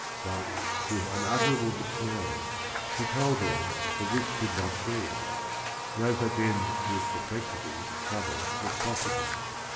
But to his unutterable dismay she told him that this could not be; no such end to his perplexity and trouble was possible.